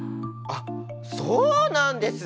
あっそうなんですね！